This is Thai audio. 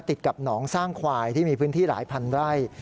ติดกับหนองสร้างควายที่มีพื้นที่หลายพันไร่